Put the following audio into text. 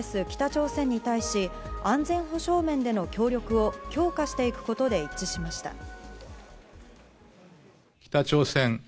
北朝鮮に対し安全保障面での協力を強化していくことで一致しました。